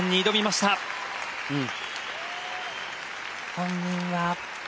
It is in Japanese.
本人は。